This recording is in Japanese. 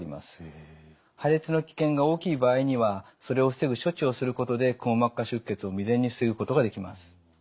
破裂の危険が大きい場合にはそれを防ぐ処置をすることでくも膜下出血を未然に防ぐことができます。